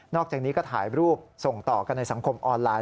อกจากนี้ก็ถ่ายรูปส่งต่อกันในสังคมออนไลน